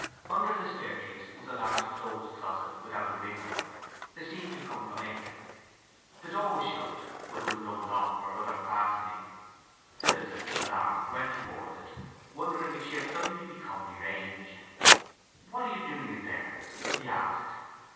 Under the staircase was a large clothes closet, without a window; they seemed to come from it. The door was shut, but there was no lock or other fastening. Phillotson, alarmed, went towards it, wondering if she had suddenly become deranged. "What are you doing in there?" he asked.